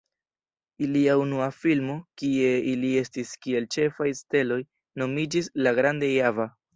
Ilia unua filmo, kie ili estis kiel ĉefaj steloj, nomiĝis "La Grande Java".